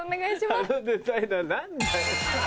あのデザイナー何だよ。